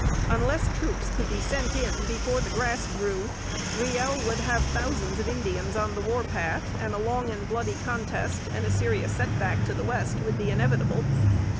Unless troops could be sent in before the grass grew, Riel would have thousands of Indians on the war path, and a long and bloody contest and a serious setback to the West would be inevitable.